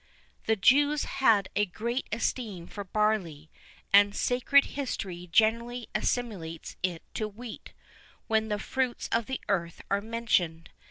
[V 4] The Jews had a great esteem for barley, and sacred history generally assimilates it to wheat, when the fruits of the earth are mentioned.